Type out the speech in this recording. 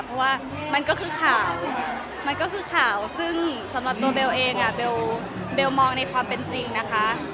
เพราะว่ามันก็คือข่าวซึ่งสำหรับตัวแบลเองแบลมองในความเป็นจริงนะคะ